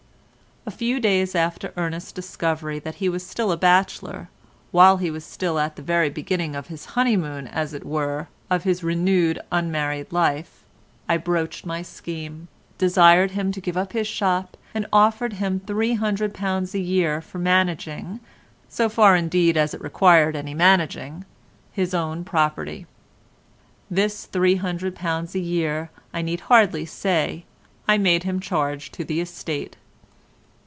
A few days after Ernest's discovery that he was still a bachelor, while he was still at the very beginning of the honeymoon, as it were, of his renewed unmarried life, I broached my scheme, desired him to give up his shop, and offered him £300 a year for managing (so far indeed as it required any managing) his own property. This £300 a year, I need hardly say, I made him charge to the estate.